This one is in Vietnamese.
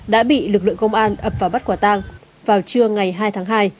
đã bị lực lượng công an ập vào bắt quả tang vào trưa ngày hai tháng hai